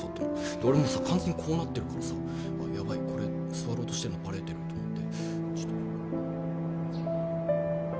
俺もう完全にこうなってるからさヤバいこれ座ろうとしてるのバレてると思って。